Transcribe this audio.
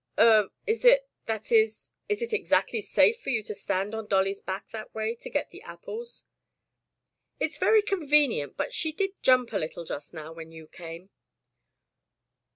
"Er — is it — that is — is it exactly safe for you to stand on Dolly's back that way to get the apples?" "It's very convenient, but she did jump a little just now when you came."